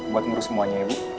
buat guru semuanya ya bu